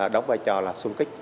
đóng vai trò là xung kích